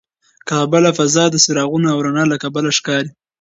کعبه له فضا د څراغونو او رڼا له کبله ښکاري.